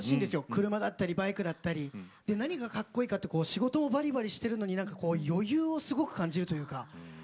車だったり、バイクだったり何がかっこいいかというと仕事をばりばりしてるのに余裕をすごく感じる。